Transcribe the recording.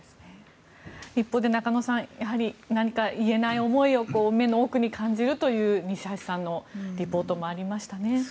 一方で中野さん何か、言えない思いを目の奥に感じるという西橋さんのリポートもありましたね。